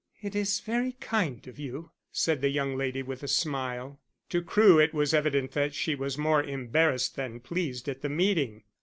"It is very kind of you," said the young lady with a smile. To Crewe it was evident that she was more embarrassed than pleased at the meeting.